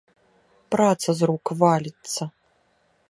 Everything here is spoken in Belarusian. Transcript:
Праца з рук валіцца.